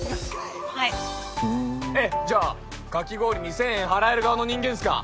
はいふんじゃあかき氷に１０００円払える側の人間っすか？